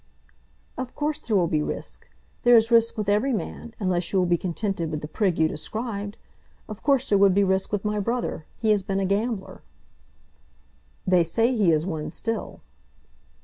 "Of course there will be risk. There is risk with every man, unless you will be contented with the prig you described. Of course there would be risk with my brother. He has been a gambler." "They say he is one still."